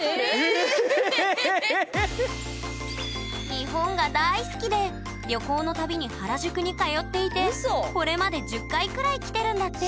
日本が大好きで旅行の度に原宿に通っていてこれまで１０回くらい来てるんだって！